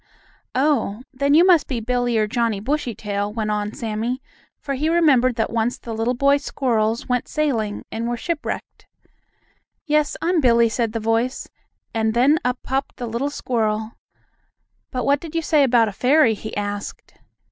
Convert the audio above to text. "Oh, then you must be Billie or Johnnie Bushytail," went on Sammie, for he remembered that once the little boy squirrels went sailing and were shipwrecked. "Yes, I'm Billie," said the voice, and then up popped the little squirrel. "But what did you say about a fairy?" he asked.